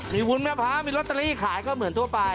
มีวุ้นแม่ค้ามีลอตเตอรี่ขายก็เหมือนทั่วไป